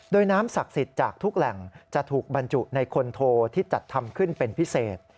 โดยน้ำศักดิ์สิทธิ์จากทุกแหล่งจะถูกบรรจุในคนโทที่จัดทำขึ้นเป็นพิเศษ